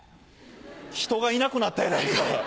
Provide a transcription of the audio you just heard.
人がいなくなったやないか。